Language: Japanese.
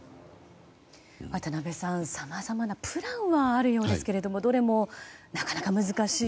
渡辺さん、さまざまなプランはあるようですけどどれも、なかなか難しい。